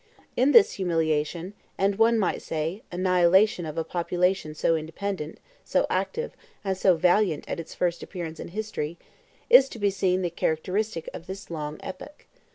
In this humiliation and, one might say, annihilation of a population so independent, so active, and so valiant at its first appearance in history, is to be seen the characteristic of this long epoch.